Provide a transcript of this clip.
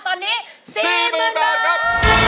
ตอนนี้๔หมื่นบาทครับ